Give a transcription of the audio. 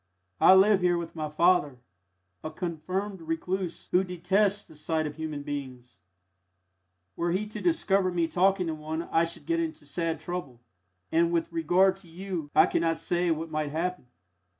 I live here with my father a confirmed recluse who detests the sight of human beings; were he to discover me talking to one I should get into sad trouble, and with regard to you I could not say what might happen."